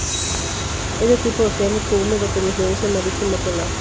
Es de tipo oceánico, húmedo con influencia marítima polar.